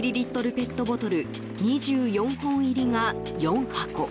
ペットボトル２４本入りが４箱。